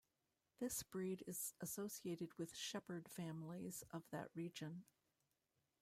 This breed is associated with shepherd families of that region.